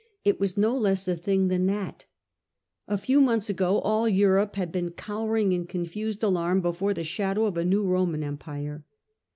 It wa^ no less a thing than that A few months ago all Europe had heen cowering in confused alarm before the shadow of a new Roman Empire.